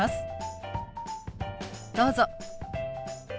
どうぞ。